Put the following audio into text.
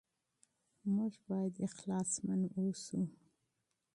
موږ بايد صادق اوسو.